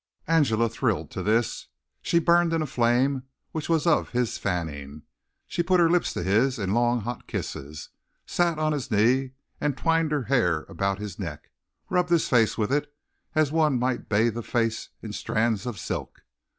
Angela thrilled to this. She burned in a flame which was of his fanning. She put her lips to his in long hot kisses, sat on his knee and twined her hair about his neck; rubbed his face with it as one might bathe a face in strands of silk.